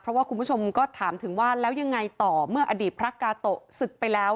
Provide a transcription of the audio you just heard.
เพราะว่าคุณผู้ชมก็ถามถึงว่าแล้วยังไงต่อเมื่ออดีตพระกาโตะศึกไปแล้ว